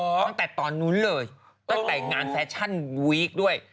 ตั้งแต่ตอนนู้นเลยตั้งแต่งานแฟชั่นวีคด้วย